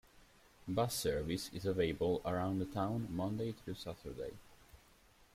Bus service is available around the town Monday thru Saturday.